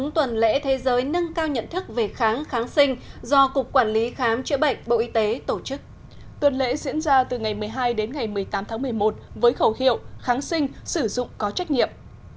tuần lễ diễn ra từ ngày một mươi hai đến ngày một mươi tám tháng một mươi một với khẩu hiệu kháng sinh sử dụng có trách nhiệm